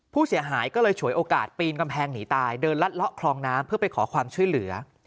ผู้เสียหายก็เลยฉวยโอกาสปีนกำแพงหนีตายเดินลัดเลาะคลองน้ำเพื่อไปขอความช่วยเหลือ